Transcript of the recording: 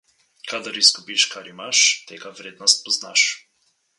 Kadar izgubiš, kar imaš, tega vrednost spoznaš.